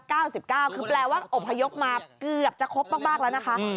คือแปลว่าอบพยพมาเกือบจะครบมากแล้วนะคะ